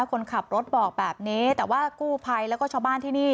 คนขับรถบอกแบบนี้แต่ว่ากู้ภัยแล้วก็ชาวบ้านที่นี่